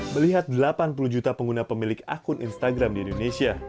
melihat delapan puluh juta pengguna pemilik akun instagram di indonesia